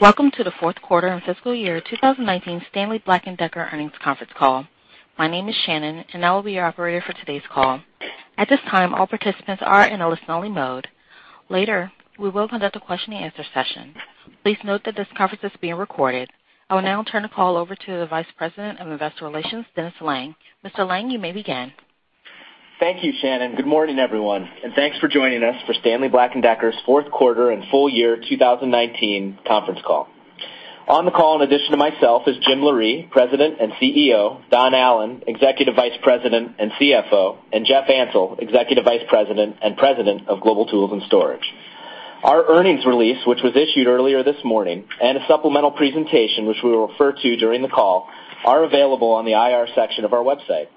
Welcome to the fourth quarter and fiscal year 2019 Stanley Black & Decker earnings conference call. My name is Shannon, and I will be your operator for today's call. At this time, all participants are in a listen-only mode. Later, we will conduct a question and answer session. Please note that this conference is being recorded. I will now turn the call over to the Vice President of Investor Relations, Dennis Lange. Mr. Lange, you may begin. Thank you, Shannon. Good morning, everyone, and thanks for joining us for Stanley Black & Decker's fourth quarter and full year 2019 conference call. On the call, in addition to myself, is Jim Loree, President and CEO; Don Allan, Executive Vice President and CFO; and Jeff Ansell, Executive Vice President and President of Global Tools and Storage. Our earnings release, which was issued earlier this morning, and a supplemental presentation, which we will refer to during the call, are available on the IR section of our website.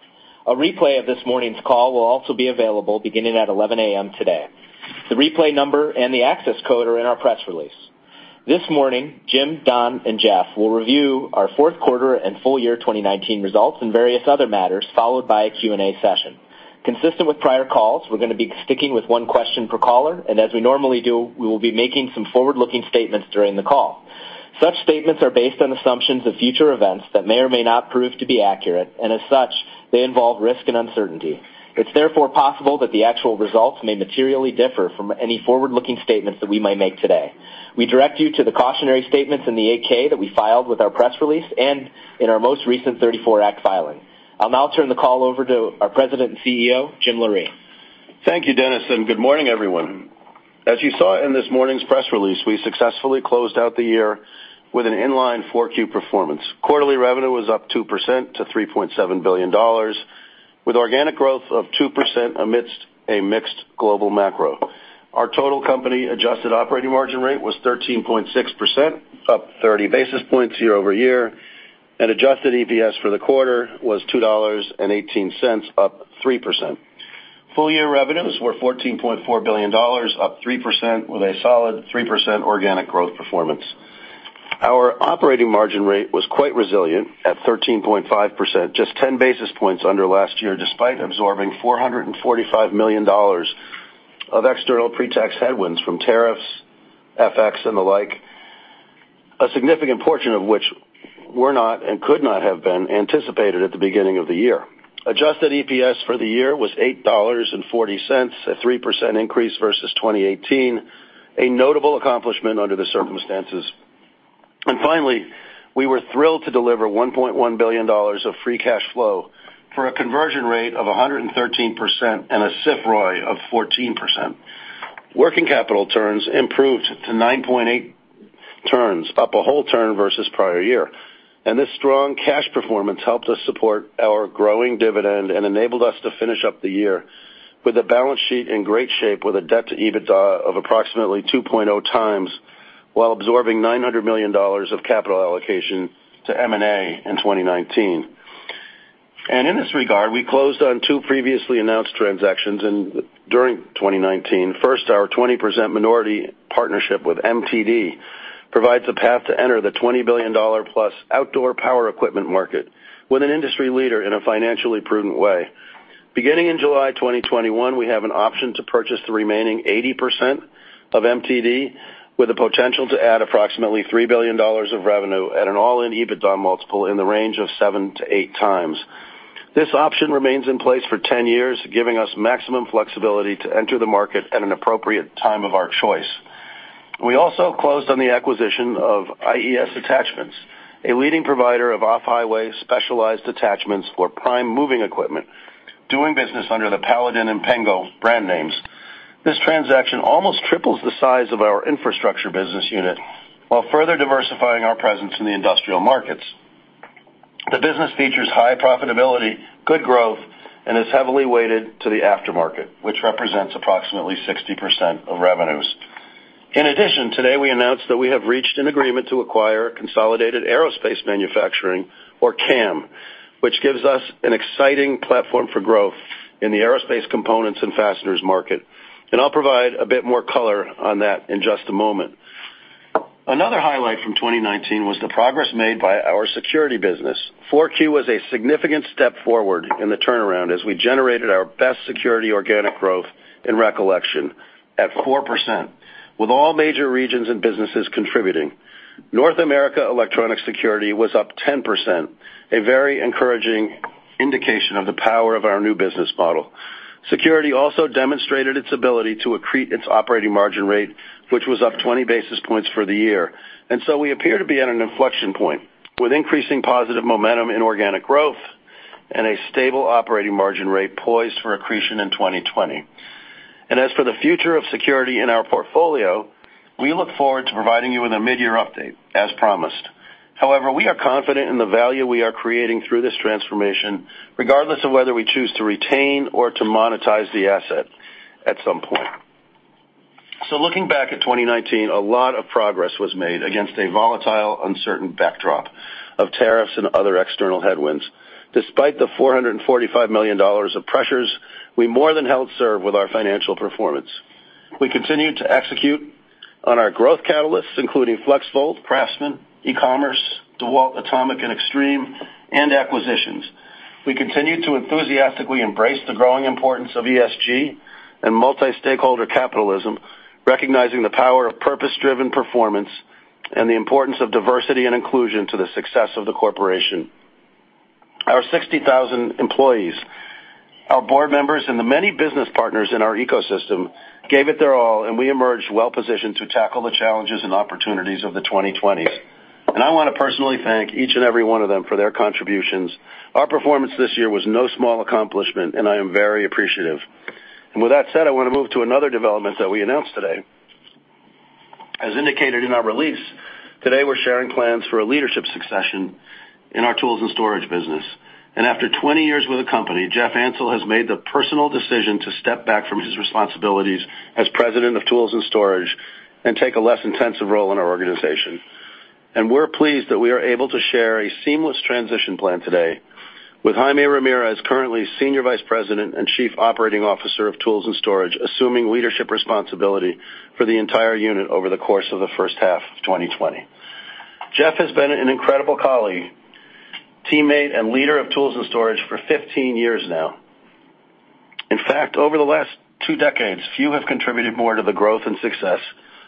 A replay of this morning's call will also be available beginning at 11:00 A.M. today. The replay number and the access code are in our press release. This morning, Jim, Don, and Jeff will review our fourth quarter and full year 2019 results and various other matters, followed by a Q&A session. Consistent with prior calls, we're going to be sticking with one question per caller. As we normally do, we will be making some forward-looking statements during the call. Such statements are based on assumptions of future events that may or may not prove to be accurate. As such, they involve risk and uncertainty. It's therefore possible that the actual results may materially differ from any forward-looking statements that we might make today. We direct you to the cautionary statements in the 8-K that we filed with our press release and in our most recent 34 Act filing. I'll now turn the call over to our President and CEO, Jim Loree. Thank you, Dennis, and good morning, everyone. As you saw in this morning's press release, we successfully closed out the year with an in-line four Q performance. Quarterly revenue was up 2% to $3.7 billion, with organic growth of 2% amidst a mixed global macro. Our total company adjusted operating margin rate was 13.6%, up 30 basis points year-over-year, and adjusted EPS for the quarter was $2.18, up 3%. Full year revenues were $14.4 billion, up 3%, with a solid 3% organic growth performance. Our operating margin rate was quite resilient at 13.5%, just 10 basis points under last year, despite absorbing $445 million of external pre-tax headwinds from tariffs, FX, and the like, a significant portion of which were not and could not have been anticipated at the beginning of the year. Adjusted EPS for the year was $8.40, a 3% increase versus 2018, a notable accomplishment under the circumstances. Finally, we were thrilled to deliver $1.1 billion of free cash flow for a conversion rate of 113% and a SROI of 14%. Working capital turns improved to 9.8 turns, up a whole turn versus prior year. This strong cash performance helped us support our growing dividend and enabled us to finish up the year with a balance sheet in great shape, with a debt to EBITDA of approximately 2.0x while absorbing $900 million of capital allocation to M&A in 2019. In this regard, we closed on two previously announced transactions during 2019. First, our 20% minority partnership with MTD provides a path to enter the $20+ billion outdoor power equipment market with an industry leader in a financially prudent way. Beginning in July 2021, we have an option to purchase the remaining 80% of MTD, with the potential to add approximately $3 billion of revenue at an all-in EBITDA multiple in the range of seven to eight times. This option remains in place for 10 years, giving us maximum flexibility to enter the market at an appropriate time of our choice. We also closed on the acquisition of IES Attachments, a leading provider of off-highway specialized attachments for prime moving equipment, doing business under the Paladin and Pengo brand names. This transaction almost triples the size of our infrastructure business unit while further diversifying our presence in the industrial markets. The business features high profitability, good growth, and is heavily weighted to the aftermarket, which represents approximately 60% of revenues. In addition, today, we announced that we have reached an agreement to acquire Consolidated Aerospace Manufacturing, or CAM, which gives us an exciting platform for growth in the aerospace components and fasteners market. I'll provide a bit more color on that in just a moment. Another highlight from 2019 was the progress made by our security business. 4Q was a significant step forward in the turnaround as we generated our best security organic growth in recollection at 4%, with all major regions and businesses contributing. North America electronic security was up 10%, a very encouraging indication of the power of our new business model. Security also demonstrated its ability to accrete its operating margin rate, which was up 20 basis points for the year. We appear to be at an inflection point, with increasing positive momentum in organic growth and a stable operating margin rate poised for accretion in 2020. As for the future of security in our portfolio, we look forward to providing you with a mid-year update, as promised. However, we are confident in the value we are creating through this transformation, regardless of whether we choose to retain or to monetize the asset at some point. Looking back at 2019, a lot of progress was made against a volatile, uncertain backdrop of tariffs and other external headwinds. Despite the $445 million of pressures, we more than held serve with our financial performance. We continued to execute on our growth catalysts, including FLEXVOLT, CRAFTSMAN, e-commerce, DEWALT ATOMIC and EXTREME, and acquisitions. We continue to enthusiastically embrace the growing importance of ESG and multi-stakeholder capitalism, recognizing the power of purpose-driven performance and the importance of diversity and inclusion to the success of the corporation. Our 60,000 employees, our board members, and the many business partners in our ecosystem gave it their all, and we emerged well-positioned to tackle the challenges and opportunities of the 2020s. I want to personally thank each and every one of them for their contributions. Our performance this year was no small accomplishment, and I am very appreciative. With that said, I want to move to another development that we announced today. As indicated in our release, today, we're sharing plans for a leadership succession in our tools and storage business. After 20 years with the company, Jeff Ansell has made the personal decision to step back from his responsibilities as President of tools and storage and take a less intensive role in our organization. We're pleased that we are able to share a seamless transition plan today with Jaime Ramirez, currently Senior Vice President and Chief Operating Officer of tools and storage, assuming leadership responsibility for the entire unit over the course of the first half of 2020. Jeff has been an incredible colleague, teammate, and leader of tools and storage for 15 years now. In fact, over the last two decades, few have contributed more to the growth and success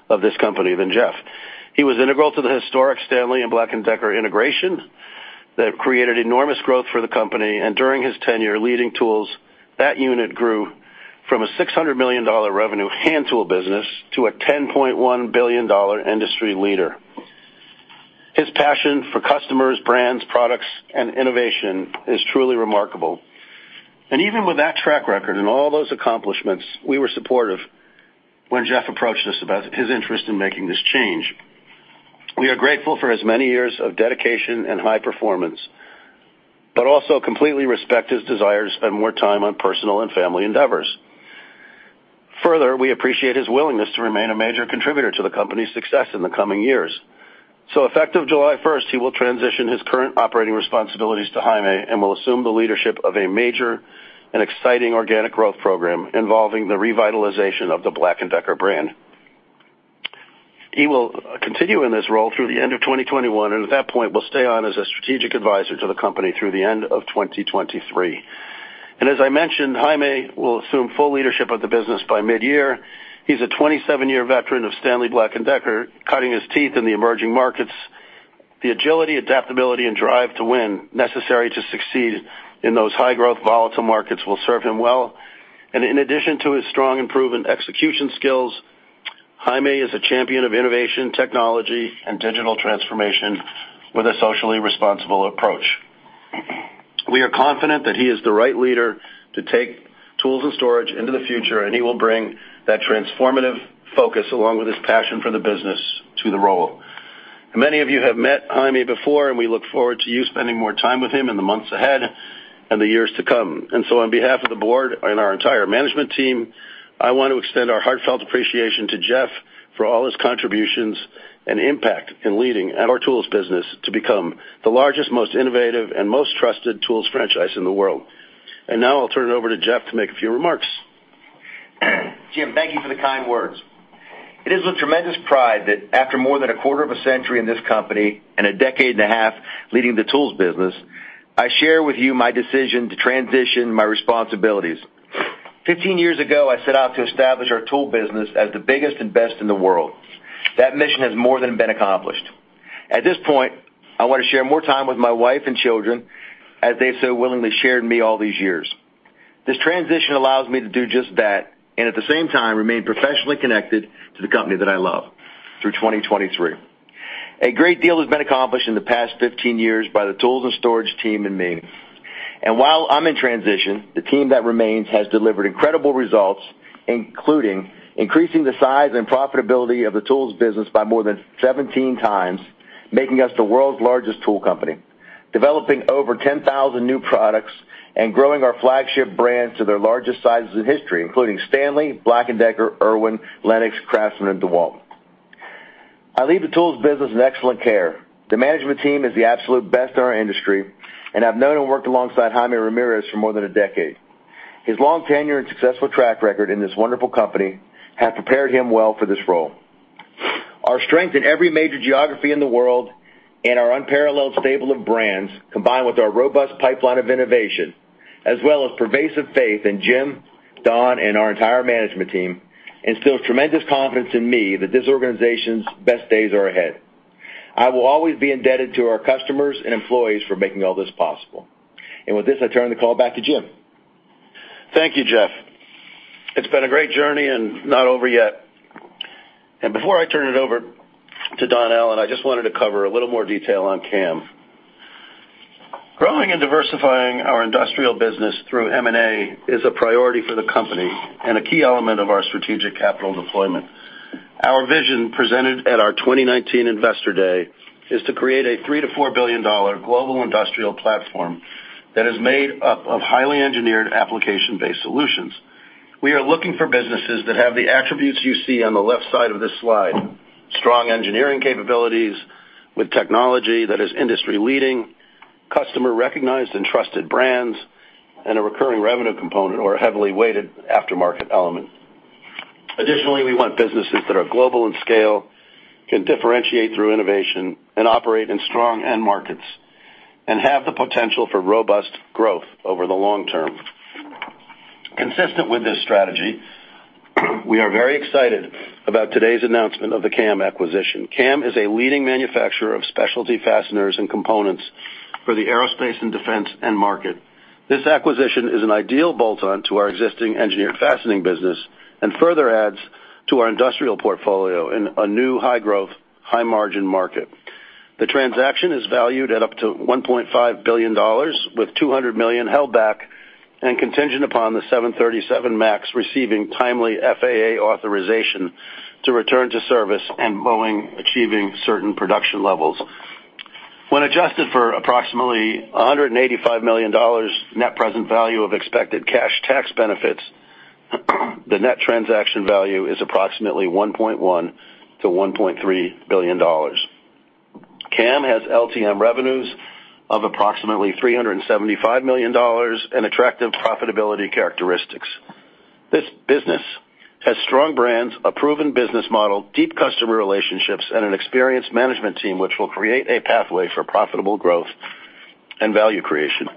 of this company than Jeff. He was integral to the historic Stanley Black & Decker integration that created enormous growth for the company, and during his tenure leading tools, that unit grew from a $600 million revenue hand tool business to a $10.1 billion industry leader. His passion for customers, brands, products, and innovation is truly remarkable. Even with that track record and all those accomplishments, we were supportive when Jeff approached us about his interest in making this change. We are grateful for his many years of dedication and high performance, but also completely respect his desire to spend more time on personal and family endeavors. Further, we appreciate his willingness to remain a major contributor to the company's success in the coming years. Effective July 1st, he will transition his current operating responsibilities to Jaime and will assume the leadership of a major and exciting organic growth program involving the revitalization of the Black & Decker brand. He will continue in this role through the end of 2021, and at that point, will stay on as a strategic advisor to the company through the end of 2023. As I mentioned, Jaime will assume full leadership of the business by mid-year. He's a 27-year veteran of Stanley Black & Decker, cutting his teeth in the emerging markets. The agility, adaptability, and drive to win necessary to succeed in those high-growth, volatile markets will serve him well. In addition to his strong and proven execution skills, Jaime is a champion of innovation, technology, and digital transformation with a socially responsible approach. We are confident that he is the right leader to take Tools and Storage into the future, and he will bring that transformative focus, along with his passion for the business, to the role. We look forward to you spending more time with Jaime in the months ahead and the years to come. On behalf of the board and our entire management team, I want to extend our heartfelt appreciation to Jeff for all his contributions and impact in leading our tools business to become the largest, most innovative, and most trusted tools franchise in the world. Now I'll turn it over to Jeff to make a few remarks. Jim, thank you for the kind words. It is with tremendous pride that after more than a quarter of a century in this company and a decade and a half leading the tools business, I share with you my decision to transition my responsibilities. 15 years ago, I set out to establish our tool business as the biggest and best in the world. That mission has more than been accomplished. At this point, I want to share more time with my wife and children as they so willingly shared me all these years. This transition allows me to do just that and at the same time remain professionally connected to the company that I love through 2023. A great deal has been accomplished in the past 15 years by the tools and storage team and me. While I'm in transition, the team that remains has delivered incredible results, including increasing the size and profitability of the tools business by more than 17 times, making us the world's largest tool company, developing over 10,000 new products, and growing our flagship brands to their largest sizes in history, including Stanley Black & Decker, IRWIN, LENOX, CRAFTSMAN, and DEWALT. I leave the tools business in excellent care. The management team is the absolute best in our industry, and I've known and worked alongside Jaime Ramirez for more than a decade. His long tenure and successful track record in this wonderful company have prepared him well for this role. Our strength in every major geography in the world and our unparalleled stable of brands, combined with our robust pipeline of innovation as well as pervasive faith in Jim, Don, and our entire management team instills tremendous confidence in me that this organization's best days are ahead. I will always be indebted to our customers and employees for making all this possible. With this, I turn the call back to Jim. Thank you, Jeff. It's been a great journey and not over yet. Before I turn it over to Don Allan, I just wanted to cover a little more detail on CAM. Growing and diversifying our industrial business through M&A is a priority for the company and a key element of our strategic capital deployment. Our vision presented at our 2019 Investor Day is to create a three to $4 billion global industrial platform that is made up of highly engineered application-based solutions. We are looking for businesses that have the attributes you see on the left side of this slide: strong engineering capabilities with technology that is industry-leading, customer-recognized and trusted brands, and a recurring revenue component or a heavily weighted aftermarket element. Additionally, we want businesses that are global in scale, can differentiate through innovation, and operate in strong end markets, and have the potential for robust growth over the long term. Consistent with this strategy, we are very excited about today's announcement of the CAM acquisition. CAM is a leading manufacturer of specialty fasteners and components for the aerospace and defense end market. This acquisition is an ideal bolt-on to our existing engineered fastening business, and further adds to our industrial portfolio in a new high-growth, high-margin market. The transaction is valued at up to $1.5 billion, with $200 million held back, and contingent upon the 737 MAX receiving timely FAA authorization to return to service, and Boeing achieving certain production levels. When adjusted for approximately $185 million net present value of expected cash tax benefits, the net transaction value is approximately $1.1 billion-$1.3 billion. CAM has LTM revenues of approximately $375 million and attractive profitability characteristics. This business has strong brands, a proven business model, deep customer relationships, and an experienced management team, which will create a pathway for profitable growth and value creation.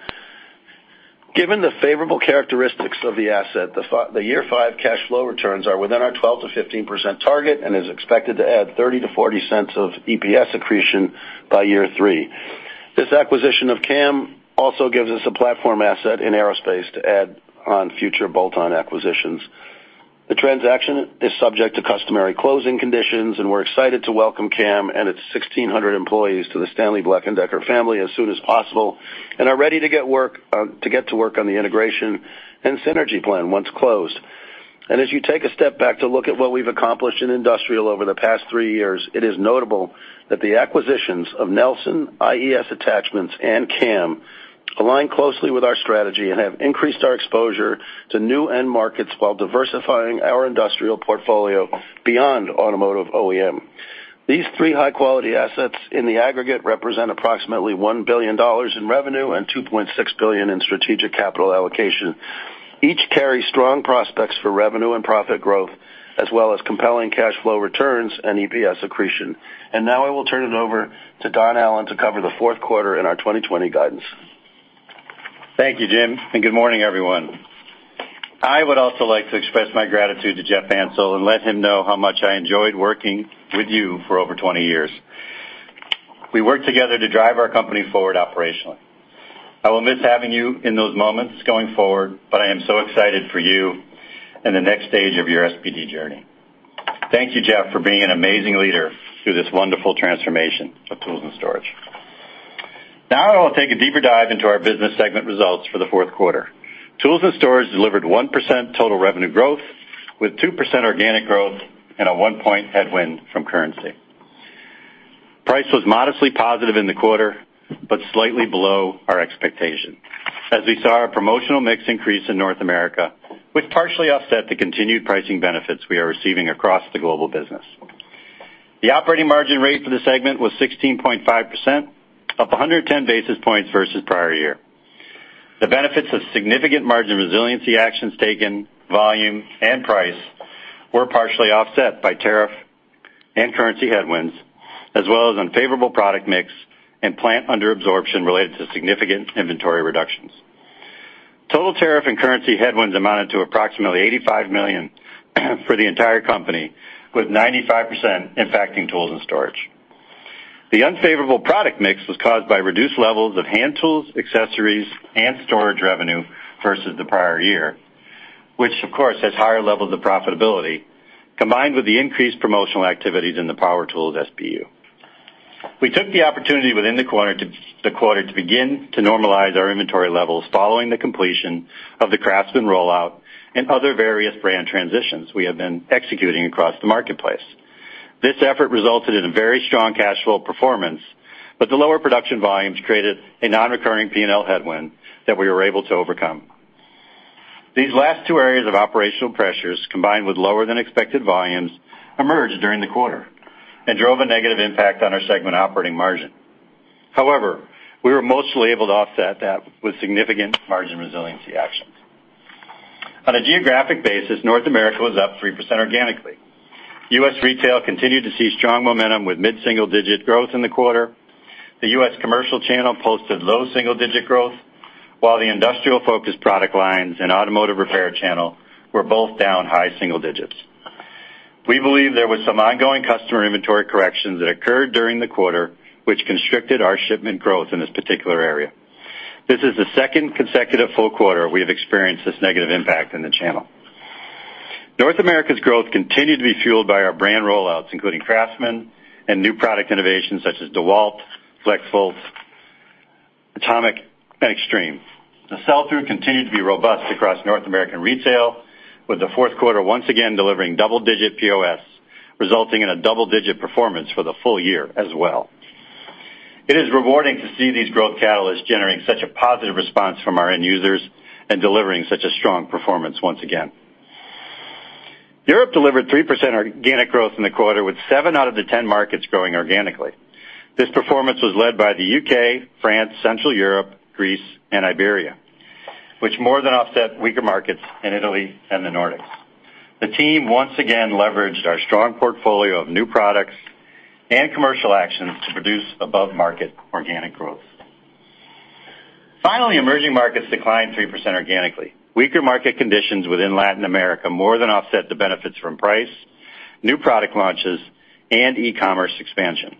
Given the favorable characteristics of the asset, the year five cash flow returns are within our 12%-15% target and is expected to add $0.30-$0.40 of EPS accretion by year three. This acquisition of CAM also gives us a platform asset in aerospace to add on future bolt-on acquisitions. The transaction is subject to customary closing conditions, we're excited to welcome CAM and its 1,600 employees to the Stanley Black & Decker family as soon as possible, and are ready to get to work on the integration and synergy plan once closed. As you take a step back to look at what we've accomplished in industrial over the past three years, it is notable that the acquisitions of Nelson, IES Attachments, and CAM align closely with our strategy and have increased our exposure to new end markets while diversifying our industrial portfolio beyond automotive OEM. These three high-quality assets in the aggregate represent approximately $1 billion in revenue and $2.6 billion in strategic capital allocation. Each carry strong prospects for revenue and profit growth, as well as compelling cash flow returns and EPS accretion. Now I will turn it over to Don Allan to cover the fourth quarter and our 2020 guidance. Thank you, Jim. Good morning, everyone. I would also like to express my gratitude to Jeff Ansell and let him know how much I enjoyed working with you for over 20 years. We worked together to drive our company forward operationally. I will miss having you in those moments going forward, but I am so excited for you in the next stage of your SBD journey. Thank you, Jeff, for being an amazing leader through this wonderful transformation of Tools and Storage. I will take a deeper dive into our business segment results for the fourth quarter. Tools and Storage delivered 1% total revenue growth, with 2% organic growth, and a one point headwind from currency. Price was modestly positive in the quarter, but slightly below our expectation. We saw our promotional mix increase in North America, which partially offset the continued pricing benefits we are receiving across the global business. The operating margin rate for the segment was 16.5%, up 110 basis points versus prior year. The benefits of significant margin resiliency actions taken, volume, and price were partially offset by tariff and currency headwinds, as well as unfavorable product mix and plant under-absorption related to significant inventory reductions. Total tariff and currency headwinds amounted to approximately $85 million for the entire company, with 95% impacting tools and storage. The unfavorable product mix was caused by reduced levels of hand tools, accessories, and storage revenue versus the prior year, which of course has higher levels of profitability, combined with the increased promotional activities in the power tools SBU. We took the opportunity within the quarter to begin to normalize our inventory levels following the completion of the CRAFTSMAN rollout and other various brand transitions we have been executing across the marketplace. This effort resulted in a very strong cash flow performance, but the lower production volumes created a non-recurring P&L headwind that we were able to overcome. These last two areas of operational pressures, combined with lower-than-expected volumes, emerged during the quarter and drove a negative impact on our segment operating margin. However, we were mostly able to offset that with significant margin resiliency actions. On a geographic basis, North America was up 3% organically. U.S. retail continued to see strong momentum with mid-single-digit growth in the quarter. The U.S. commercial channel posted low single-digit growth, while the industrial-focused product lines and automotive repair channel were both down high single digits. We believe there was some ongoing customer inventory corrections that occurred during the quarter, which constricted our shipment growth in this particular area. This is the second consecutive full quarter we have experienced this negative impact in the channel. North America's growth continued to be fueled by our brand rollouts, including CRAFTSMAN and new product innovations such as DEWALT, FLEXVOLT, ATOMIC, and EXTREME. The sell-through continued to be robust across North American retail, with the fourth quarter once again delivering double-digit POS, resulting in a double-digit performance for the full year as well. It is rewarding to see these growth catalysts generating such a positive response from our end users and delivering such a strong performance once again. Europe delivered 3% organic growth in the quarter, with seven out of the 10 markets growing organically. This performance was led by the U.K., France, Central Europe, Greece, and Iberia. Which more than offset weaker markets in Italy and the Nordics. The team once again leveraged our strong portfolio of new products and commercial actions to produce above-market organic growth. Finally, emerging markets declined 3% organically. Weaker market conditions within Latin America more than offset the benefits from price, new product launches, and e-commerce expansion.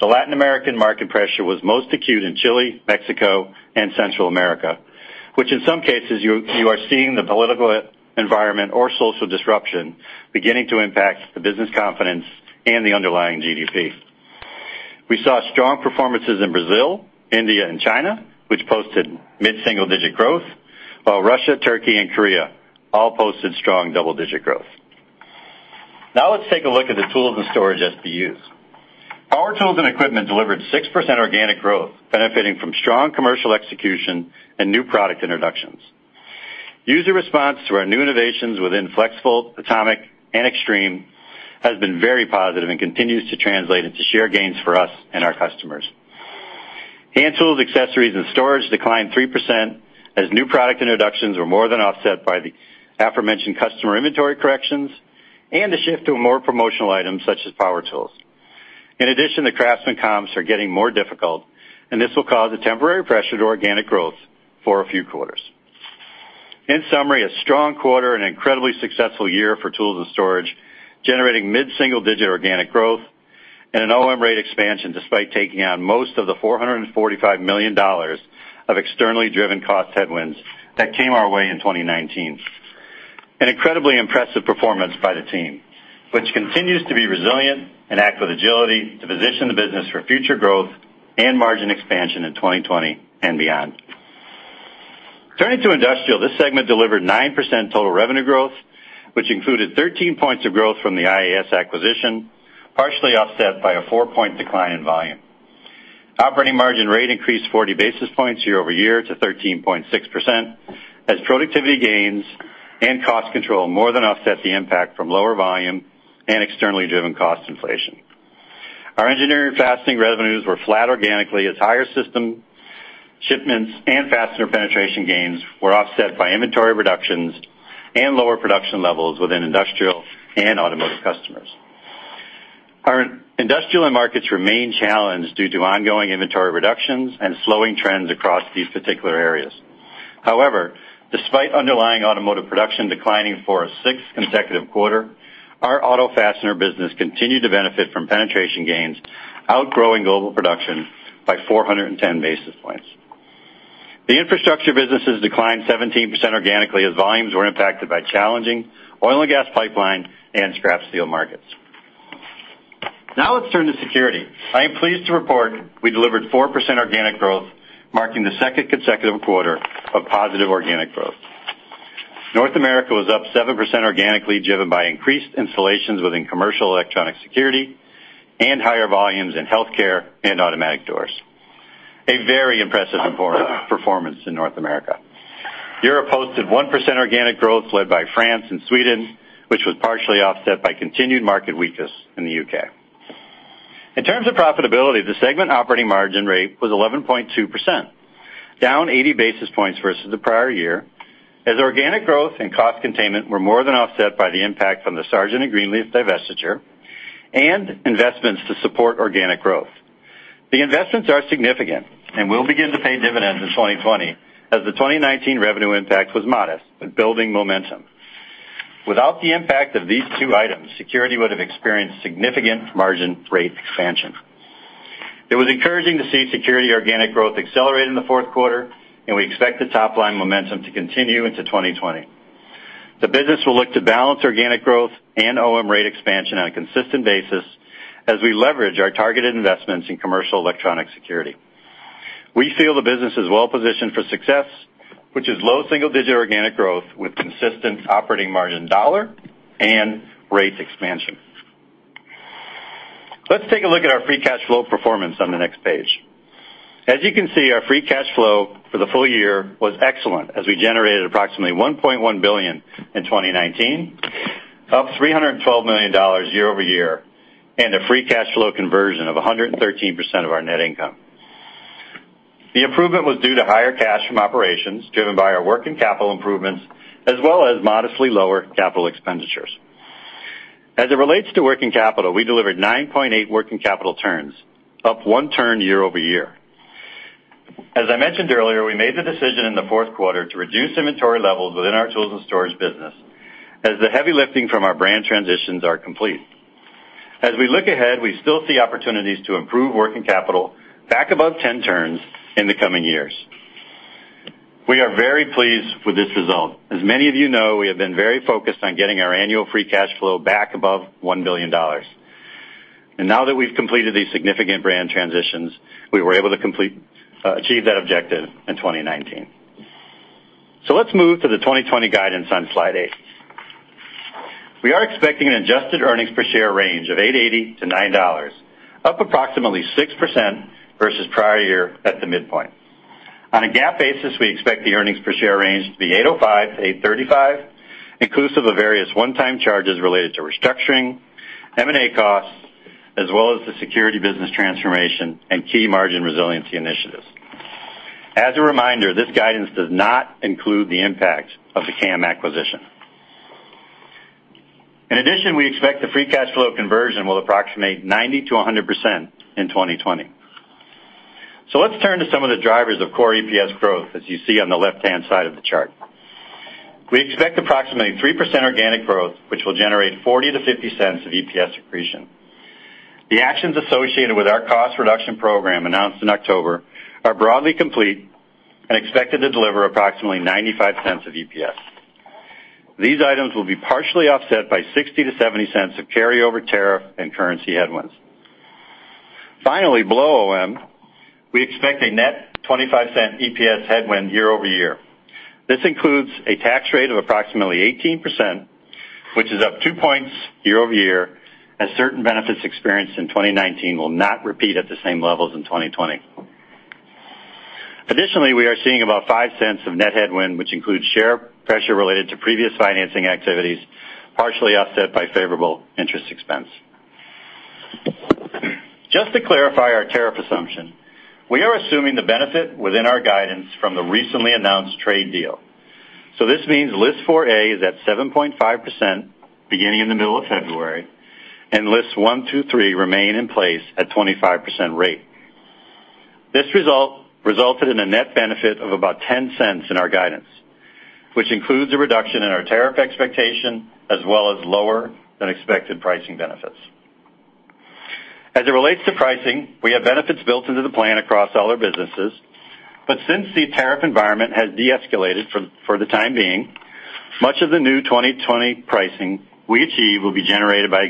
The Latin American market pressure was most acute in Chile, Mexico, and Central America, which in some cases, you are seeing the political environment or social disruption beginning to impact the business confidence and the underlying GDP. We saw strong performances in Brazil, India, and China, which posted mid-single-digit growth, while Russia, Turkey, and Korea all posted strong double-digit growth. Now let's take a look at the tools and storage SBUs. Power tools and equipment delivered 6% organic growth, benefiting from strong commercial execution and new product introductions. User response to our new innovations within FLEXVOLT, ATOMIC, and EXTREME has been very positive and continues to translate into share gains for us and our customers. Hand tools, accessories, and storage declined 3% as new product introductions were more than offset by the aforementioned customer inventory corrections and the shift to more promotional items such as power tools. In addition, the CRAFTSMAN comps are getting more difficult, and this will cause a temporary pressure to organic growth for a few quarters. In summary, a strong quarter and incredibly successful year for tools and storage, generating mid-single-digit organic growth and an OM rate expansion despite taking on most of the $445 million of externally driven cost headwinds that came our way in 2019. An incredibly impressive performance by the team, which continues to be resilient and act with agility to position the business for future growth and margin expansion in 2020 and beyond. Turning to industrial, this segment delivered 9% total revenue growth, which included 13 points of growth from the IES acquisition, partially offset by a four-point decline in volume. Operating margin rate increased 40 basis points year-over-year to 13.6% as productivity gains and cost control more than offset the impact from lower volume and externally driven cost inflation. Our engineering fastening revenues were flat organically as higher system shipments and fastener penetration gains were offset by inventory reductions and lower production levels within industrial and automotive customers. Our industrial end markets remain challenged due to ongoing inventory reductions and slowing trends across these particular areas. However, despite underlying automotive production declining for a sixth consecutive quarter, our auto fastener business continued to benefit from penetration gains, outgrowing global production by 410 basis points. The infrastructure businesses declined 17% organically as volumes were impacted by challenging oil and gas pipeline and scrap steel markets. Let's turn to security. I am pleased to report we delivered 4% organic growth, marking the second consecutive quarter of positive organic growth. North America was up 7% organically, driven by increased installations within commercial electronic security and higher volumes in healthcare and automatic doors. A very impressive performance in North America. Europe hosted 1% organic growth led by France and Sweden, which was partially offset by continued market weakness in the U.K. In terms of profitability, the segment operating margin rate was 11.2%, down 80 basis points versus the prior year, as organic growth and cost containment were more than offset by the impact from the Sargent and Greenleaf divestiture and investments to support organic growth. The investments are significant and will begin to pay dividends in 2020, as the 2019 revenue impact was modest but building momentum. Without the impact of these two items, Security would have experienced significant margin rate expansion. It was encouraging to see Security organic growth accelerate in the fourth quarter, and we expect the top-line momentum to continue into 2020. The business will look to balance organic growth and OM rate expansion on a consistent basis as we leverage our targeted investments in commercial electronic security. We feel the business is well positioned for success, which is low single-digit organic growth with consistent operating margin dollar and rates expansion. Let's take a look at our free cash flow performance on the next page. As you can see, our free cash flow for the full year was excellent as we generated approximately $1.1 billion in 2019, up $312 million year-over-year, and a free cash flow conversion of 113% of our net income. The improvement was due to higher cash from operations driven by our working capital improvements, as well as modestly lower capital expenditures. As it relates to working capital, we delivered 9.8 working capital turns, up one turn year-over-year. As I mentioned earlier, we made the decision in the fourth quarter to reduce inventory levels within our tools and storage business as the heavy lifting from our brand transitions are complete. As we look ahead, we still see opportunities to improve working capital back above 10 turns in the coming years. We are very pleased with this result. As many of you know, we have been very focused on getting our annual free cash flow back above $1 billion. Now that we've completed these significant brand transitions, we were able to achieve that objective in 2019. Let's move to the 2020 guidance on slide eight. We are expecting an adjusted EPS range of $8.80-$9.00, up approximately 6% versus prior year at the midpoint. On a GAAP basis, we expect the EPS range to be $8.05-$8.35, inclusive of various one-time charges related to restructuring, M&A costs, as well as the security business transformation and key margin resiliency initiatives. As a reminder, this guidance does not include the impact of the CAM acquisition. In addition, we expect the free cash flow conversion will approximate 90%-100% in 2020. Let's turn to some of the drivers of core EPS growth, as you see on the left-hand side of the chart. We expect approximately 3% organic growth, which will generate $0.40-$0.50 of EPS accretion. The actions associated with our cost reduction program announced in October are broadly complete and expected to deliver approximately $0.95 of EPS. These items will be partially offset by $0.60-$0.70 of carryover tariff and currency headwinds. Finally, below OM, we expect a net $0.25 EPS headwind year-over-year. This includes a tax rate of approximately 18%, which is up two points year-over-year, as certain benefits experienced in 2019 will not repeat at the same levels in 2020. Additionally, we are seeing about $0.05 of net headwind, which includes share pressure related to previous financing activities, partially offset by favorable interest expense. Just to clarify our tariff assumption, we are assuming the benefit within our guidance from the recently announced trade deal. This means List 4A is at 7.5% beginning in the middle of February, and Lists 1, 2, 3 remain in place at 25% rate. This resulted in a net benefit of about $0.10 in our guidance, which includes a reduction in our tariff expectation as well as lower-than-expected pricing benefits. As it relates to pricing, we have benefits built into the plan across all our businesses, but since the tariff environment has deescalated for the time being, much of the new 2020 pricing we achieve will be generated by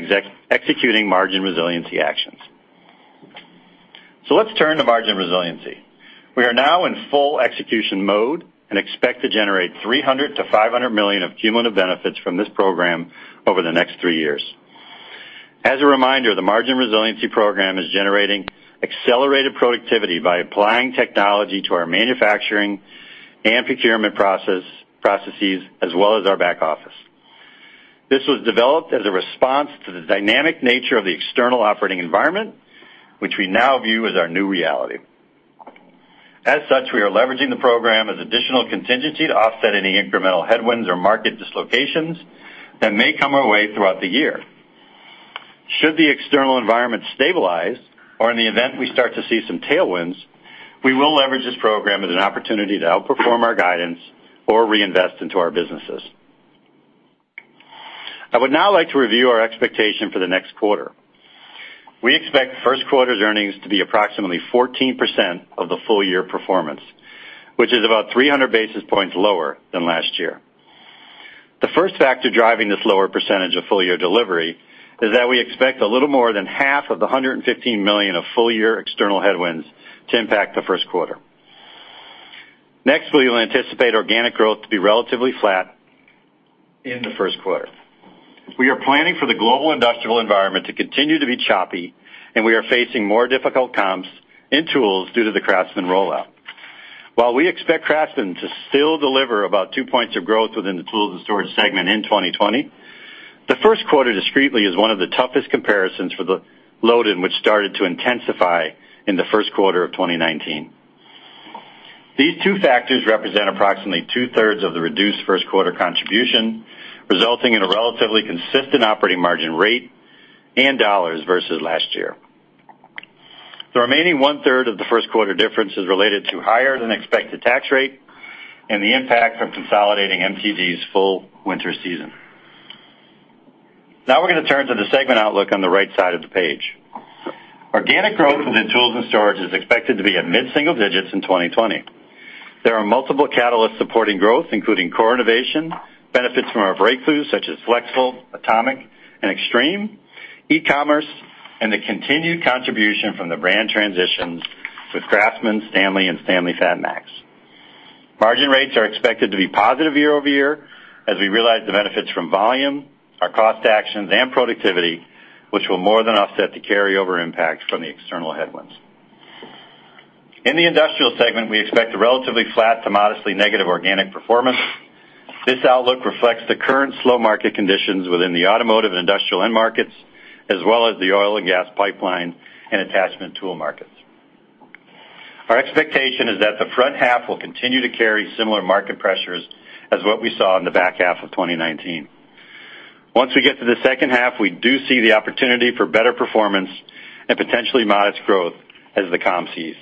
executing margin resiliency actions. Let's turn to margin resiliency. We are now in full execution mode and expect to generate $300 million-$500 million of cumulative benefits from this program over the next three years. As a reminder, the margin resiliency program is generating accelerated productivity by applying technology to our manufacturing and procurement processes, as well as our back office. This was developed as a response to the dynamic nature of the external operating environment, which we now view as our new reality. As such, we are leveraging the program as additional contingency to offset any incremental headwinds or market dislocations that may come our way throughout the year. Should the external environment stabilize, or in the event we start to see some tailwinds, we will leverage this program as an opportunity to outperform our guidance or reinvest into our businesses. I would now like to review our expectation for the next quarter. We expect first quarter's earnings to be approximately 14% of the full-year performance, which is about 300 basis points lower than last year. The first factor driving this lower percentage of full-year delivery is that we expect a little more than half of the $115 million of full-year external headwinds to impact the first quarter. Next, we will anticipate organic growth to be relatively flat in the first quarter. We are planning for the global industrial environment to continue to be choppy, and we are facing more difficult comps in Tools due to the CRAFTSMAN rollout. While we expect CRAFTSMAN to still deliver about two points of growth within the Tools and Storage segment in 2020, the first quarter discreetly is one of the toughest comparisons for the load-in, which started to intensify in the first quarter of 2019. These two factors represent approximately two-thirds of the reduced first quarter contribution, resulting in a relatively consistent operating margin rate and dollars versus last year. The remaining one-third of the first quarter difference is related to higher-than-expected tax rate and the impact from consolidating MTD's full winter season. Now we're going to turn to the segment outlook on the right side of the page. Organic growth within tools and storage is expected to be at mid-single digits in 2020. There are multiple catalysts supporting growth, including core innovation, benefits from our breakthroughs such as FLEXVOLT, ATOMIC, and EXTREME, e-commerce, and the continued contribution from the brand transitions with CRAFTSMAN, STANLEY, and STANLEY FATMAX. Margin rates are expected to be positive year-over-year as we realize the benefits from volume, our cost actions, and productivity, which will more than offset the carryover impact from the external headwinds. In the industrial segment, we expect a relatively flat to modestly negative organic performance. This outlook reflects the current slow market conditions within the automotive and industrial end markets, as well as the oil and gas pipeline and attachment tool markets. Our expectation is that the front half will continue to carry similar market pressures as what we saw in the back half of 2019. Once we get to the second half, we do see the opportunity for better performance and potentially modest growth as the comp sees.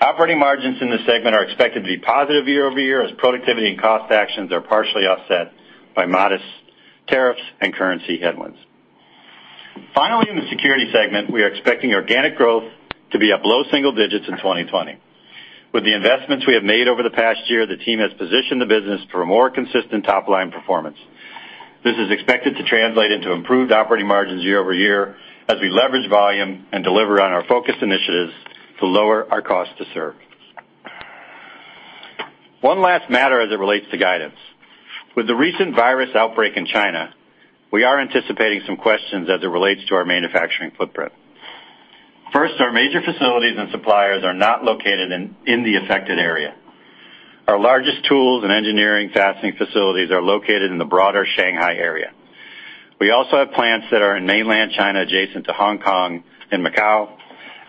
Operating margins in this segment are expected to be positive year-over-year, as productivity and cost actions are partially offset by modest tariffs and currency headwinds. Finally, in the security segment, we are expecting organic growth to be up low single digits in 2020. With the investments we have made over the past year, the team has positioned the business for a more consistent top-line performance. This is expected to translate into improved operating margins year-over-year as we leverage volume and deliver on our focused initiatives to lower our cost to serve. One last matter as it relates to guidance. With the recent virus outbreak in China, we are anticipating some questions as it relates to our manufacturing footprint. Most of our major facilities and suppliers are not located in the affected area. Our largest tools and engineering fastening facilities are located in the broader Shanghai area. We also have plants that are in mainland China, adjacent to Hong Kong and Macau,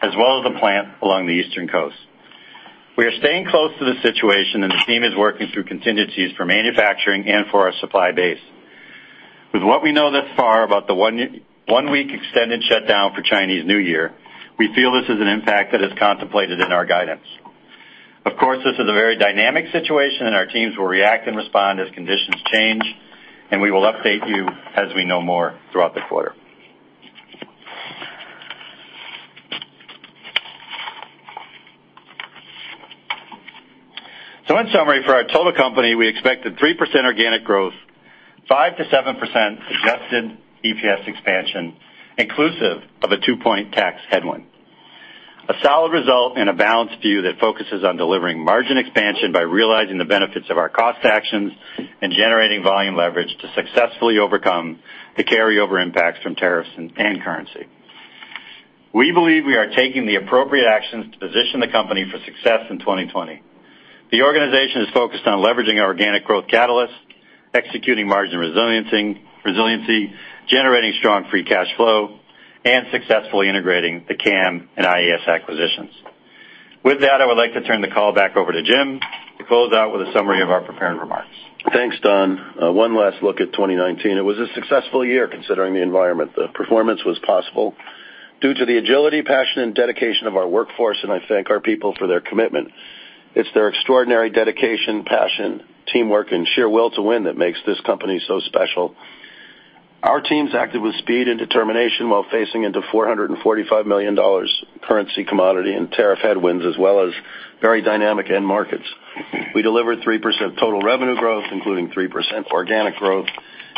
as well as a plant along the eastern coast. We are staying close to the situation, and the team is working through contingencies for manufacturing and for our supply base. With what we know thus far about the one-week extended shutdown for Chinese New Year, we feel this is an impact that is contemplated in our guidance. Of course, this is a very dynamic situation, and our teams will react and respond as conditions change, and we will update you as we know more throughout the quarter. In summary, for our total company, we expect a 3% organic growth, 5%-7% adjusted EPS expansion, inclusive of a two-point tax headwind. A solid result and a balanced view that focuses on delivering margin expansion by realizing the benefits of our cost actions and generating volume leverage to successfully overcome the carryover impacts from tariffs and currency. We believe we are taking the appropriate actions to position the company for success in 2020. The organization is focused on leveraging our organic growth catalyst, executing margin resiliency, generating strong free cash flow, and successfully integrating the CAM and IES acquisitions. With that, I would like to turn the call back over to Jim to close out with a summary of our prepared remarks. Thanks, Don. One last look at 2019. It was a successful year considering the environment. The performance was possible due to the agility, passion, and dedication of our workforce, and I thank our people for their commitment. It's their extraordinary dedication, passion, teamwork, and sheer will to win that makes this company so special. Our teams acted with speed and determination while facing into $445 million currency, commodity, and tariff headwinds, as well as very dynamic end markets. We delivered 3% total revenue growth, including 3% organic growth,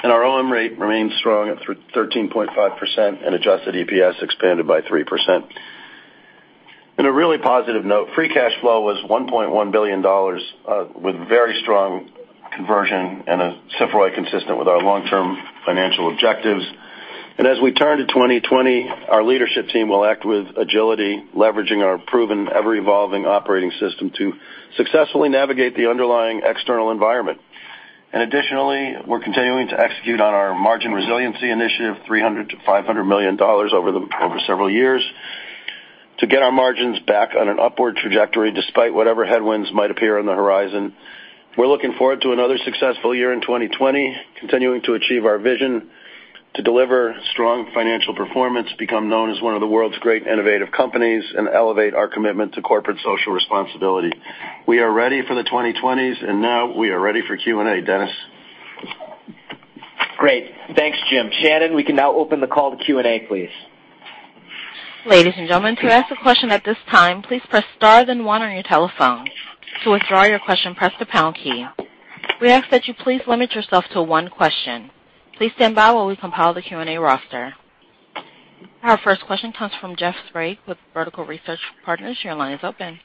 and our OM rate remains strong at 13.5%, and adjusted EPS expanded by 3%. In a really positive note, free cash flow was $1.1 billion, with very strong conversion and similarly consistent with our long-term financial objectives. As we turn to 2020, our leadership team will act with agility, leveraging our proven ever-evolving operating system to successfully navigate the underlying external environment. Additionally, we're continuing to execute on our margin resiliency initiative, $300 million-$500 million over several years to get our margins back on an upward trajectory, despite whatever headwinds might appear on the horizon. We're looking forward to another successful year in 2020, continuing to achieve our vision to deliver strong financial performance, become known as one of the world's great innovative companies, and elevate our commitment to corporate social responsibility. We are ready for the 2020s, and now we are ready for Q&A. Dennis? Great. Thanks, Jim. Shannon, we can now open the call to Q&A, please. Ladies and gentlemen, to ask a question at this time, please press star then one on your telephone. To withdraw your question, press the pound key. We ask that you please limit yourself to one question. Please stand by while we compile the Q&A roster. Our first question comes from Jeff Sprague with Vertical Research Partners. Your line is open.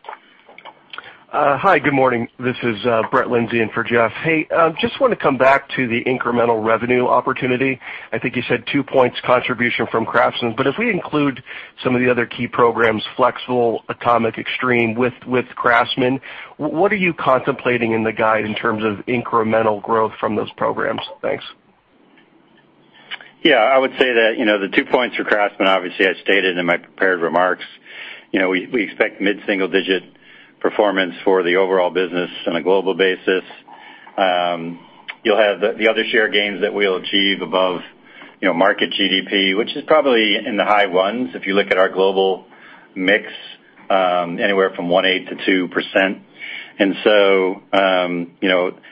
Hi, good morning. This is Brett Linzey in for Jeff. Hey, just want to come back to the incremental revenue opportunity. I think you said two points contribution from CRAFTSMAN, but if we include some of the other key programs, FLEXVOLT, ATOMIC, EXTREME, with CRAFTSMAN, what are you contemplating in the guide in terms of incremental growth from those programs? Thanks. Yeah, I would say that the two points for CRAFTSMAN, obviously, I stated in my prepared remarks. We expect mid-single-digit performance for the overall business on a global basis. You'll have the other share gains that we'll achieve above market GDP, which is probably in the high ones, if you look at our global mix, anywhere from 1.8%-2%.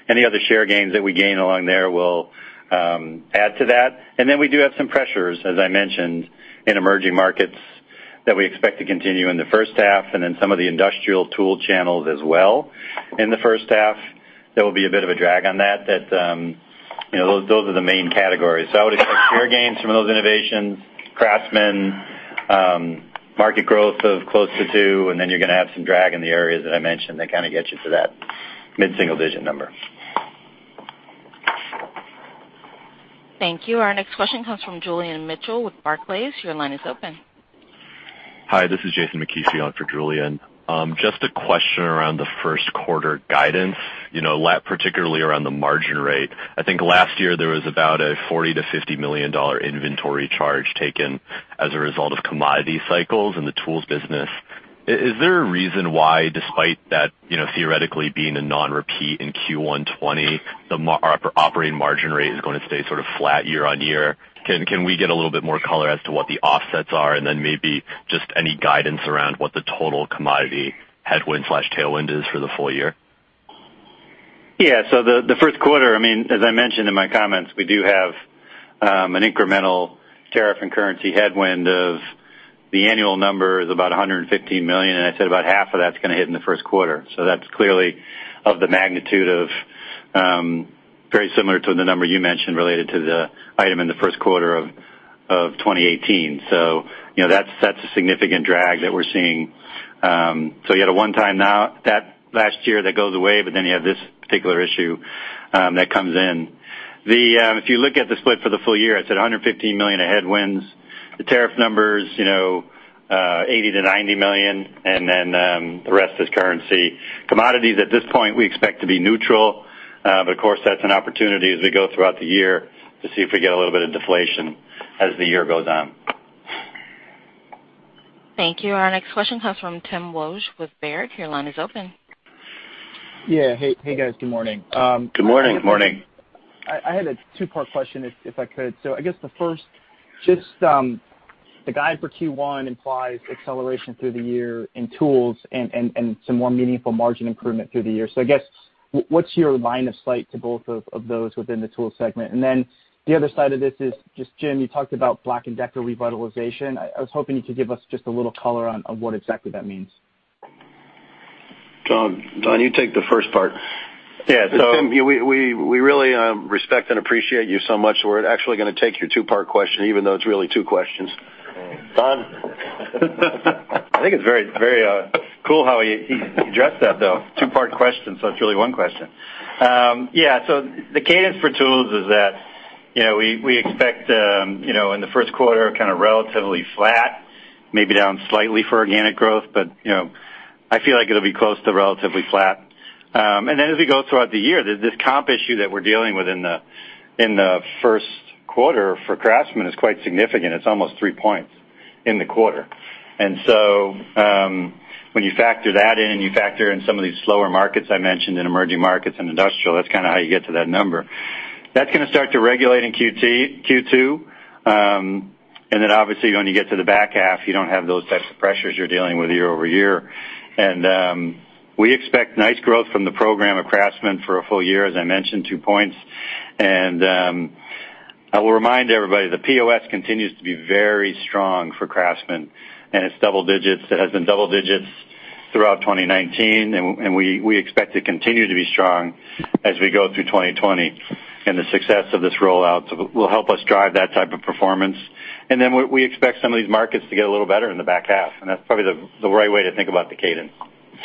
Any other share gains that we gain along there will add to that. We do have some pressures, as I mentioned, in emerging markets that we expect to continue in the first half and in some of the industrial tool channels as well in the first half. There will be a bit of a drag on that. Those are the main categories. I would expect share gains from those innovations, CRAFTSMAN, market growth of close to two, and then you're going to have some drag in the areas that I mentioned that kind of get you to that mid-single-digit number. Thank you. Our next question comes from Julian Mitchell with Barclays. Your line is open. Hi, this is Jason McKenzie on for Julian. Just a question around the first quarter guidance, particularly around the margin rate. I think last year there was about a $40 million-$50 million inventory charge taken as a result of commodity cycles in the tools business. Is there a reason why, despite that theoretically being a non-repeat in Q1 2020, the operating margin rate is going to stay sort of flat year-over-year? Then maybe just any guidance around what the total commodity headwind/tailwind is for the full year? The first quarter, as I mentioned in my comments, we do have an incremental tariff and currency headwind of the annual number is about $115 million, and I said about half of that's going to hit in the first quarter. That's clearly of the magnitude of very similar to the number you mentioned related to the item in the first quarter of 2018. That's a significant drag that we're seeing. You had a one-time that last year that goes away, you have this particular issue that comes in. If you look at the split for the full year, I said $115 million of headwinds. The tariff number's $80 million-$90 million, the rest is currency. Commodities at this point, we expect to be neutral. Of course, that's an opportunity as we go throughout the year to see if we get a little bit of deflation as the year goes on. Thank you. Our next question comes from Tim Wojs with Baird. Your line is open. Yeah. Hey, guys. Good morning. Good morning. Good morning. I had a two-part question if I could. I guess the first, just the guide for Q1 implies acceleration through the year in tools and some more meaningful margin improvement through the year. I guess, what's your line of sight to both of those within the tools segment? The other side of this is just, Jim, you talked about Black & Decker revitalization. I was hoping you could give us just a little color on what exactly that means. Don, you take the first part. Yeah. Tim, we really respect and appreciate you so much, we're actually going to take your two-part question, even though it's really two questions. Don? I think it's very cool how he addressed that, though. Two-part question, it's really one question. Yeah. The cadence for tools is that we expect, in the first quarter, kind of relatively flat, maybe down slightly for organic growth, but I feel like it'll be close to relatively flat. As we go throughout the year, this comp issue that we're dealing with in the first quarter for CRAFTSMAN is quite significant. It's almost three points in the quarter. When you factor that in, you factor in some of these slower markets I mentioned in emerging markets and industrial, that's kind of how you get to that number. That's going to start to regulate in Q2. Obviously, when you get to the back half, you don't have those types of pressures you're dealing with year-over-year. We expect nice growth from the program of CRAFTSMAN for a full year, as I mentioned, two points. I will remind everybody, the POS continues to be very strong for CRAFTSMAN, and it's double digits. It has been double digits throughout 2019, and we expect to continue to be strong as we go through 2020. The success of this rollout will help us drive that type of performance. We expect some of these markets to get a little better in the back half, and that's probably the right way to think about the cadence.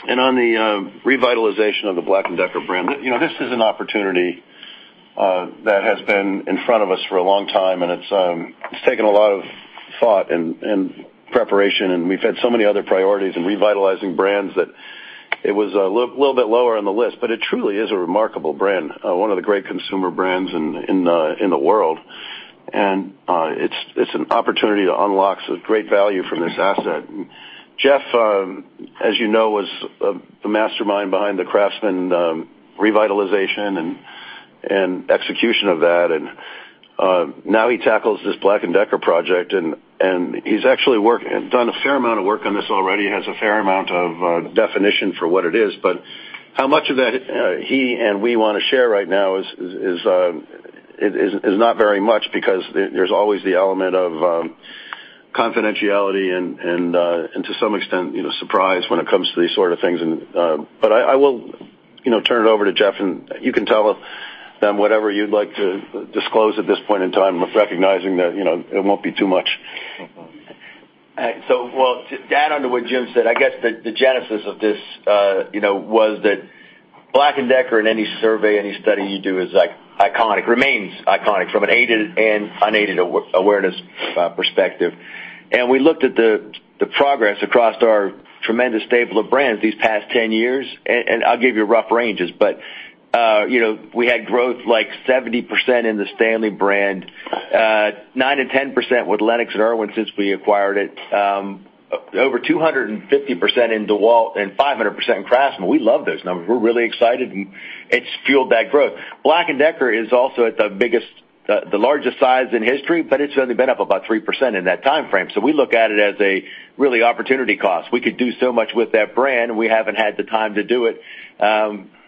On the revitalization of the Black & Decker brand, this is an opportunity that has been in front of us for a long time, and it's taken a lot of thought and preparation, and we've had so many other priorities in revitalizing brands that it was a little bit lower on the list. It truly is a remarkable brand, one of the great consumer brands in the world. It's an opportunity to unlock some great value from this asset. Jeff, as you know, was the mastermind behind the CRAFTSMAN revitalization and execution of that. Now he tackles this Black & Decker project, and he's actually done a fair amount of work on this already, has a fair amount of definition for what it is. How much of that he and we want to share right now is not very much, because there's always the element of confidentiality and to some extent, surprise when it comes to these sort of things. I will turn it over to Jeff, and you can tell them whatever you'd like to disclose at this point in time, with recognizing that it won't be too much. To add on to what Jim said, I guess the genesis of this was that Black & Decker in any survey, any study you do, is iconic, remains iconic from an aided and unaided awareness perspective. We looked at the progress across our tremendous stable of brands these past 10 years, and I'll give you rough ranges. We had growth like 70% in the STANLEY brand, 9%-10% with LENOX and IRWIN since we acquired it. Over 250% in DEWALT and 500% in CRAFTSMAN. We love those numbers. We're really excited, and it's fueled that growth. Black & Decker is also at the largest size in history, but it's only been up about 3% in that timeframe. We look at it as a real opportunity cost. We could do so much with that brand, and we haven't had the time to do it.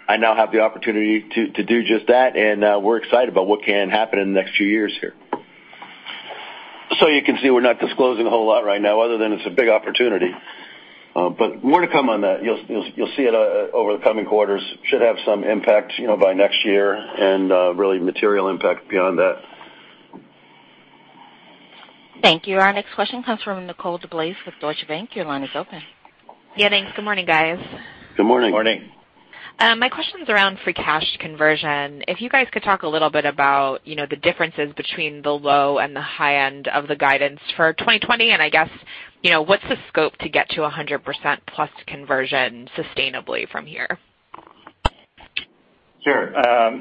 I now have the opportunity to do just that. We're excited about what can happen in the next few years here. You can see we're not disclosing a whole lot right now, other than it's a big opportunity. More to come on that. You'll see it over the coming quarters. Should have some impact by next year and really material impact beyond that. Thank you. Our next question comes from Nicole DeBlase with Deutsche Bank. Your line is open. Yeah, thanks. Good morning, guys. Good morning. Morning. My question's around free cash conversion. If you guys could talk a little bit about the differences between the low and the high end of the guidance for 2020, and I guess, what's the scope to get to 100%+ conversion sustainably from here? Sure.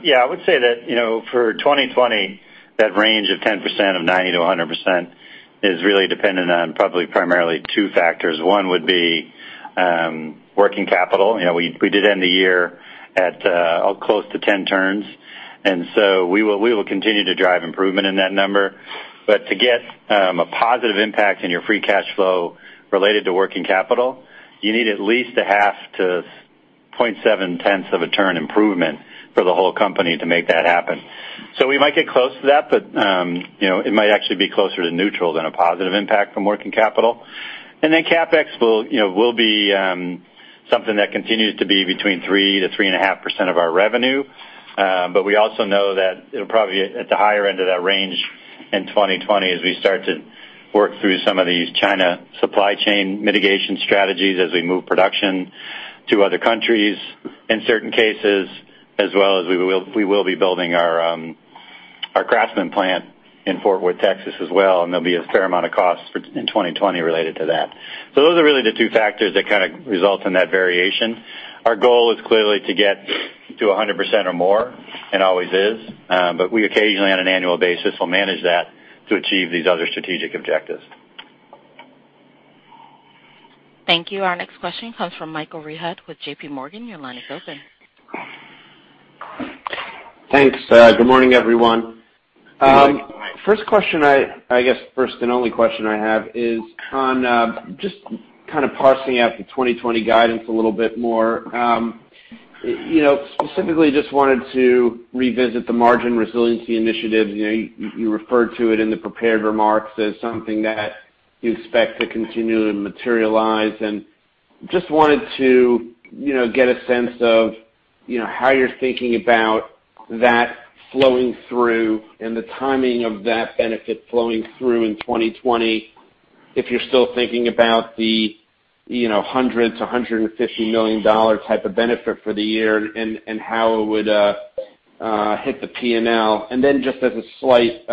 Yeah, I would say that for 2020, that range of 10% of 90%-100% is really dependent on probably primarily two factors. One would be working capital. We did end the year at close to 10 turns, we will continue to drive improvement in that number. To get a positive impact in your free cash flow related to working capital, you need at least a 0.5 to 0.7 tenth of a turn improvement for the whole company to make that happen. We might get close to that, but it might actually be closer to neutral than a positive impact from working capital. CapEx will be something that continues to be between 3%-3.5% of our revenue. We also know that it'll probably be at the higher end of that range in 2020 as we start to work through some of these China supply chain mitigation strategies as we move production to other countries in certain cases, as well as we will be building our CRAFTSMAN plant in Fort Worth, Texas, as well, and there'll be a fair amount of cost in 2020 related to that. Those are really the two factors that kind of result in that variation. Our goal is clearly to get to 100% or more, and always is. We occasionally, on an annual basis, will manage that to achieve these other strategic objectives. Thank you. Our next question comes from Michael Rehaut with JPMorgan. Your line is open. Thanks. Good morning, everyone. Good morning. First question, I guess first and only question I have is on just kind of parsing out the 2020 guidance a little bit more. Specifically, just wanted to revisit the Margin Resiliency Initiative. You referred to it in the prepared remarks as something that you expect to continue to materialize and just wanted to get a sense of how you're thinking about that flowing through and the timing of that benefit flowing through in 2020. If you're still thinking about the hundreds to $150 million type of benefit for the year and how it would hit the P&L. Just as a slight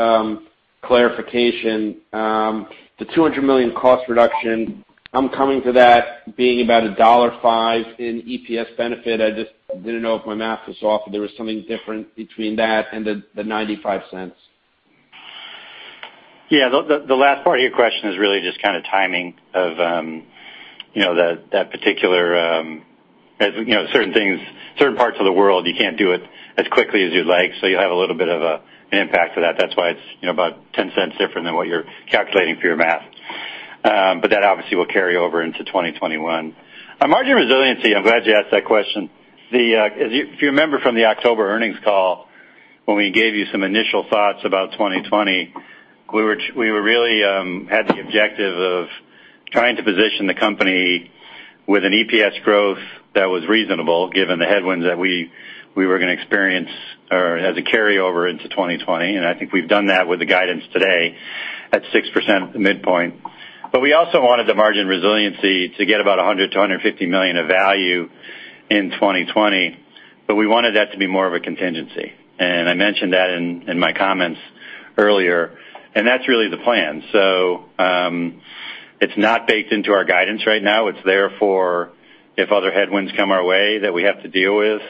clarification, the $200 million cost reduction, I'm coming to that being about $1.05 in EPS benefit. I just didn't know if my math was off or there was something different between that and the $0.95. Certain things, certain parts of the world, you can't do it as quickly as you'd like, so you'll have a little bit of an impact to that. That's why it's about $0.10 different than what you're calculating for your math. That obviously will carry over into 2021. On margin resiliency, I'm glad you asked that question. If you remember from the October earnings call, when we gave you some initial thoughts about 2020, we really had the objective of trying to position the company with an EPS growth that was reasonable given the headwinds that we were going to experience or as a carryover into 2020. I think we've done that with the guidance today at 6% midpoint. We also wanted the margin resiliency to get about $100 million-$150 million of value in 2020. We wanted that to be more of a contingency. I mentioned that in my comments earlier. That's really the plan. It's not baked into our guidance right now. It's there for if other headwinds come our way that we have to deal with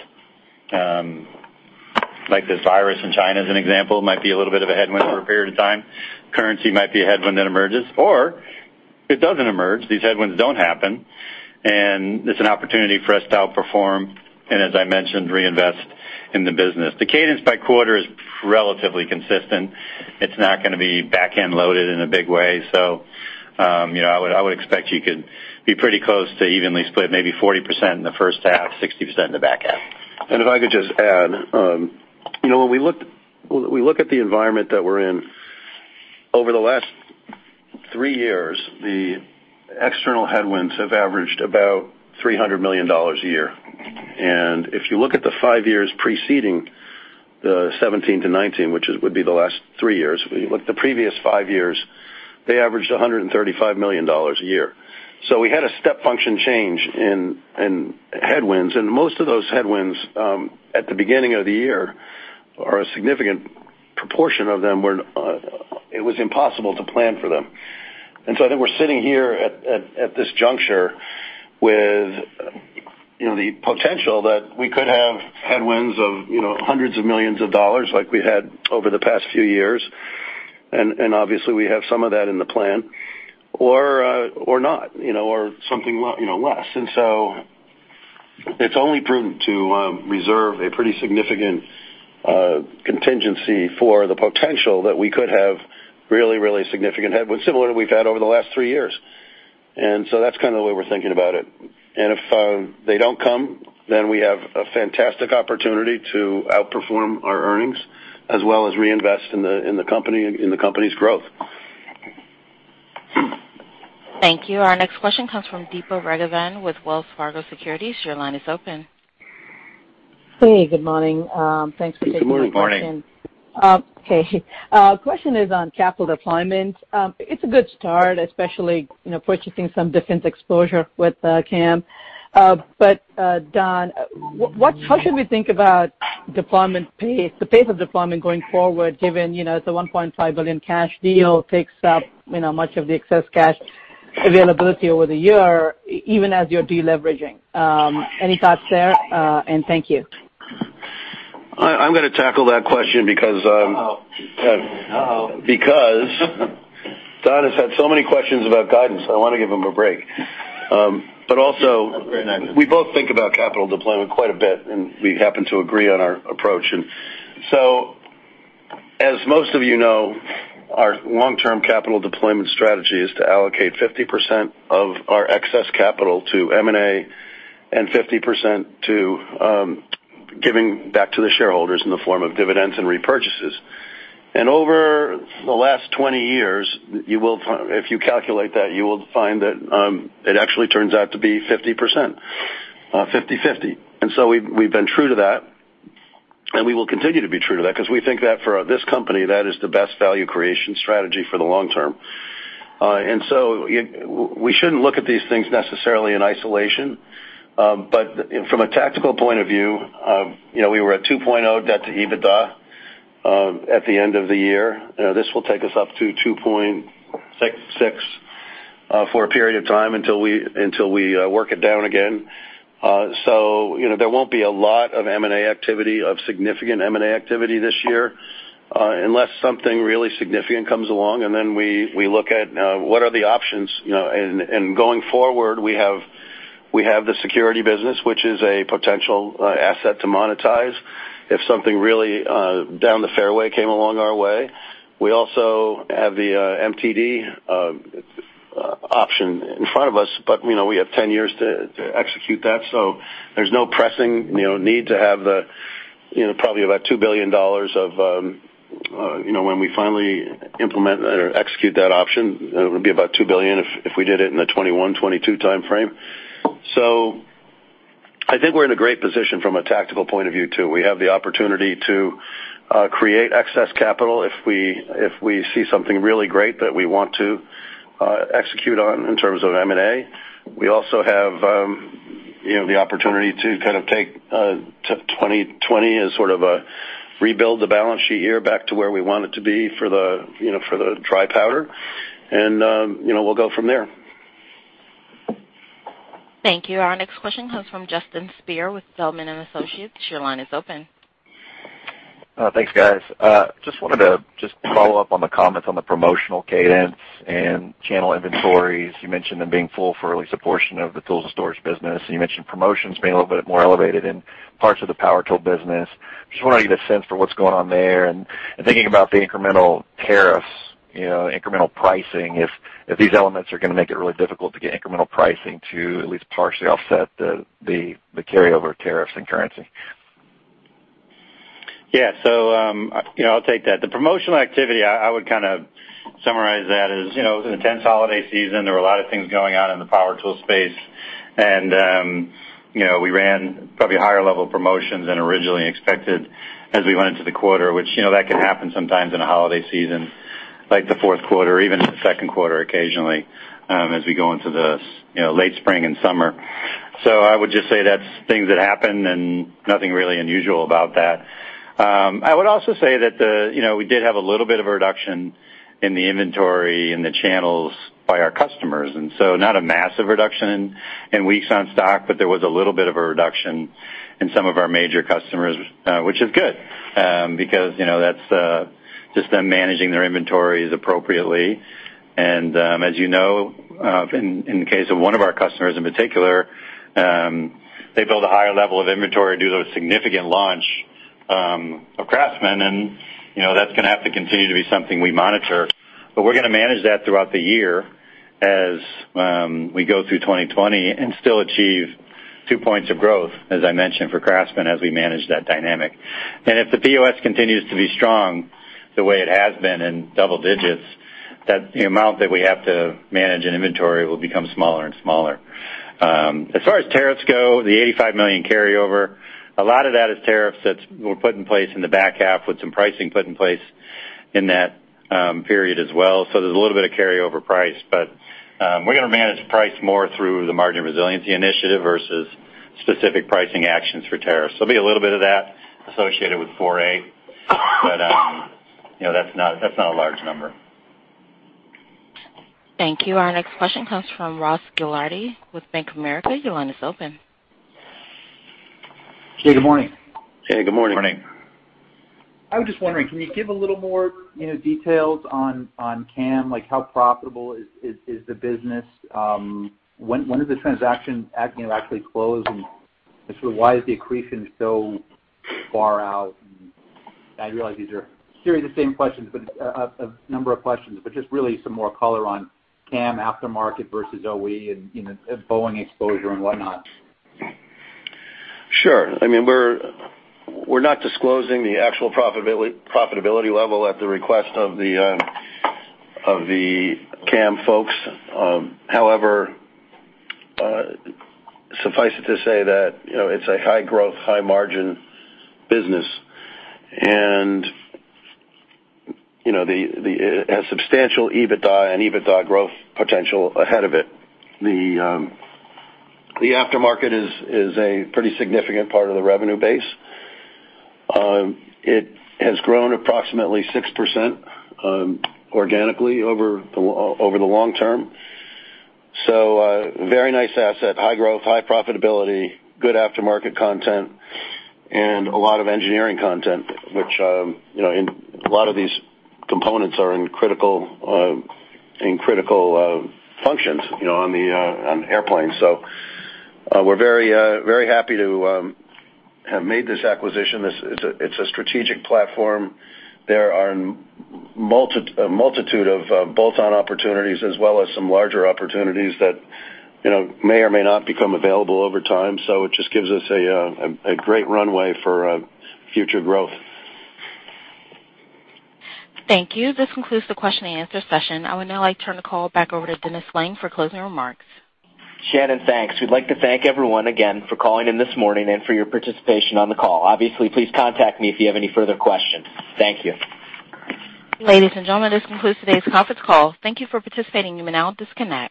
like this virus in China, as an example, might be a little bit of a headwind for a period of time. Currency might be a headwind that emerges, or it doesn't emerge. These headwinds don't happen. It's an opportunity for us to outperform. As I mentioned, reinvest in the business. The cadence by quarter is relatively consistent. It's not going to be back-end loaded in a big way. I would expect you could be pretty close to evenly split, maybe 40% in the first half, 60% in the back half. If I could just add. When we look at the environment that we're in, over the last three years, the external headwinds have averaged about $300 million a year. If you look at the five years preceding the 2017 to 2019, which would be the last three years, if you look at the previous five years, they averaged $135 million a year. We had a step function change in headwinds, and most of those headwinds, at the beginning of the year, or a significant proportion of them, it was impossible to plan for them. I think we're sitting here at this juncture with the potential that we could have headwinds of hundreds of millions of dollars like we've had over the past few years, and obviously, we have some of that in the plan, or not, or something less. It's only prudent to reserve a pretty significant contingency for the potential that we could have really significant headwinds similar to what we've had over the last three years. That's kind of the way we're thinking about it. If they don't come, then we have a fantastic opportunity to outperform our earnings as well as reinvest in the company and in the company's growth. Thank you. Our next question comes from Deepa Raghavan with Wells Fargo Securities. Your line is open. Hey, good morning. Thanks for taking my question. Good morning. Good morning. Okay. Question is on capital deployment. It's a good start, especially purchasing some defense exposure with CAM. Don, how should we think about deployment pace, the pace of deployment going forward, given it's a $1.5 billion cash deal, takes up much of the excess cash availability over the year, even as you're de-leveraging? Any thoughts there? Thank you. I'm going to tackle that question because. Don has had so many questions about guidance, I want to give him a break. That's very nice. We both think about capital deployment quite a bit, and we happen to agree on our approach. As most of you know, our long-term capital deployment strategy is to allocate 50% of our excess capital to M&A and 50% to giving back to the shareholders in the form of dividends and repurchases. Over the last 20 years, if you calculate that, you will find that it actually turns out to be 50%, 50/50. We've been true to that. We will continue to be true to that because we think that for this company, that is the best value creation strategy for the long term. We shouldn't look at these things necessarily in isolation. From a tactical point of view, we were at 2.0x debt to EBITDA at the end of the year. This will take us up to 2.6x for a period of time until we work it down again. There won't be a lot of M&A activity, of significant M&A activity this year, unless something really significant comes along, then we look at what are the options. Going forward, we have the security business, which is a potential asset to monetize if something really down the fairway came along our way. We also have the MTD option in front of us, we have 10 years to execute that. There's no pressing need to have probably about $2 billion of, when we finally implement or execute that option, it would be about $2 billion if we did it in the 2021, 2022 timeframe. I think we're in a great position from a tactical point of view, too. We have the opportunity to create excess capital if we see something really great that we want to execute on in terms of M&A. We also have the opportunity to kind of take 2020 as sort of a rebuild the balance sheet year back to where we want it to be for the dry powder. We'll go from there. Thank you. Our next question comes from Justin Speer with Zelman & Associates. Your line is open. Thanks, guys. Just wanted to follow up on the comments on the promotional cadence and channel inventories. You mentioned them being full for at least a portion of the tools and storage business, and you mentioned promotions being a little bit more elevated in parts of the power tool business. Just wanted to get a sense for what's going on there and thinking about the incremental tariffs, incremental pricing, if these elements are going to make it really difficult to get incremental pricing to at least partially offset the carryover tariffs and currency. Yeah. I'll take that. The promotional activity, I would kind of summarize that as, it was an intense holiday season. There were a lot of things going on in the power tool space. We ran probably higher level promotions than originally expected as we went into the quarter, which that can happen sometimes in a holiday season, like the fourth quarter, even in the second quarter occasionally, as we go into the late spring and summer. I would just say that's things that happened and nothing really unusual about that. I would also say that we did have a little bit of a reduction in the inventory in the channels by our customers. Not a massive reduction in weeks on stock, but there was a little bit of a reduction in some of our major customers, which is good, because that's just them managing their inventories appropriately. As you know, in the case of one of our customers in particular, they build a higher level of inventory due to a significant launch of CRAFTSMAN. That's going to have to continue to be something we monitor. We're going to manage that throughout the year as we go through 2020 and still achieve two points of growth, as I mentioned, for Craftsman as we manage that dynamic. If the POS continues to be strong the way it has been in double digits, the amount that we have to manage in inventory will become smaller and smaller. As far as tariffs go, the $85 million carryover, a lot of that is tariffs that were put in place in the back half with some pricing put in place in that period as well. There's a little bit of carryover price, but we're going to manage price more through the Margin Resiliency Initiative versus specific pricing actions for tariffs. There'll be a little bit of that associated with List 4A. That's not a large number. Thank you. Our next question comes from Ross Gilardi with Bank of America. Your line is open. Good morning. Good morning. Good morning. I was just wondering, can you give a little more details on CAM, like how profitable is the business? When did the transaction actually close, and sort of why is the accretion so far out? I realize these are series of same questions, but a number of questions, but just really some more color on CAM aftermarket versus OE and Boeing exposure and whatnot. Sure. We're not disclosing the actual profitability level at the request of the CAM folks. However, suffice it to say that it's a high-growth, high-margin business. It has substantial EBITDA and EBITDA growth potential ahead of it. The aftermarket is a pretty significant part of the revenue base. It has grown approximately 6% organically over the long term. A very nice asset, high growth, high profitability, good aftermarket content, and a lot of engineering content, which a lot of these components are in critical functions on airplanes. We're very happy to have made this acquisition. It's a strategic platform. There are a multitude of bolt-on opportunities as well as some larger opportunities that may or may not become available over time. It just gives us a great runway for future growth. Thank you. This concludes the question and answer session. I would now like to turn the call back over to Dennis Lange for closing remarks. Shannon, thanks. We'd like to thank everyone again for calling in this morning and for your participation on the call. Obviously, please contact me if you have any further questions. Thank you. Ladies and gentlemen, this concludes today's conference call. Thank you for participating. You may now disconnect.